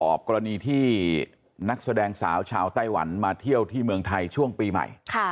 กรณีที่นักแสดงสาวชาวไต้หวันมาเที่ยวที่เมืองไทยช่วงปีใหม่